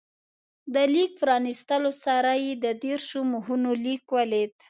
د لیک پرانستلو سره یې د دېرشو مخونو لیک ولید.